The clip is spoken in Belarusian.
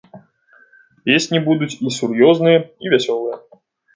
Песні будуць і сур'ёзныя, і вясёлыя.